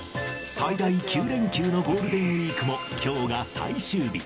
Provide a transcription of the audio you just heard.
最大９連休のゴールデンウィークも、きょうが最終日。